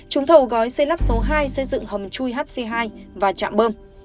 trúng thầu gói xây lắp số hai xây dựng hầm chui hc hai và chạm bơm